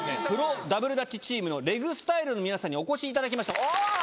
プロダブルダッチチームのＲＥＧＳＴＹＬＥの皆さんにお越しいただきました。